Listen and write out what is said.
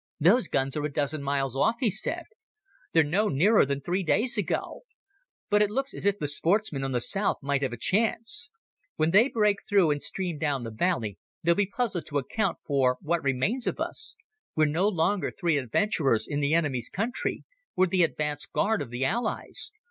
"Those guns are a dozen miles off," he said. "They're no nearer than three days ago. But it looks as if the sportsmen on the south might have a chance. When they break through and stream down the valley, they'll be puzzled to account for what remains of us ... We're no longer three adventurers in the enemy's country. We're the advance guard of the Allies.